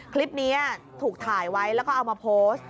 คลิปนี้ถูกถ่ายไว้แล้วก็เอามาโพสต์